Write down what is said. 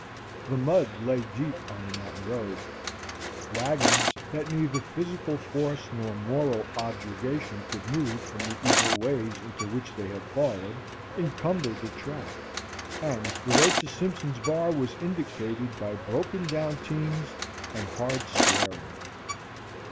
The mud lay deep on the mountain road; wagons that neither physical force nor moral objurgation could move from the evil ways into which they had fallen, encumbered the track, and the way to Simpson's Bar was indicated by broken down teams and hard swearing.